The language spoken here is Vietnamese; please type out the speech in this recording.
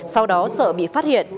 sau đó sợ bị phát hiện